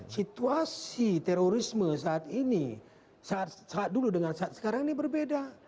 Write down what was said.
situasi terorisme saat ini saat dulu dengan saat sekarang ini berbeda